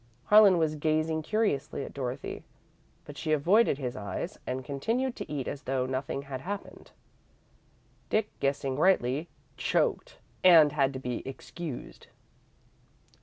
Harlan was gazing curiously at Dorothy, but she avoided his eyes, and continued to eat as though nothing had happened. Dick, guessing rightly, choked, and had to be excused.